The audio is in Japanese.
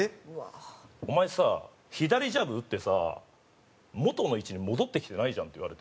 「お前さ左ジャブ打ってさ元の位置に戻ってきてないじゃん」って言われて。